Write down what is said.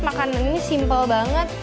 makanan ini simple banget